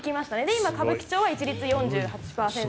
今、歌舞伎町は一律４８％に。